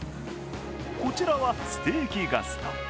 こちらはステーキガスト。